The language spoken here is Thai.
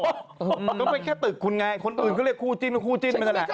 ก็เป็นแค่ตึกคุณไงคนอื่นก็เรียกคู่จิ้นคู่จิ้นไปนั่นแหละ